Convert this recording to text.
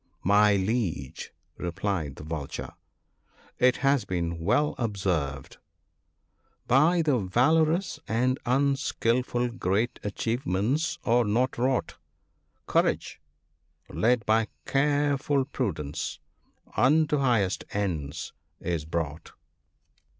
" My Liege," replied the Vulture, " it has been well observed, —" By the valorous and unskilful great achievements are not wrought; Courage, led by careful Prudence, unto highest ends is brought."